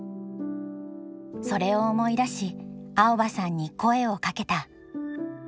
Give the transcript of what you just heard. それを思い出し蒼葉さんに声をかけた。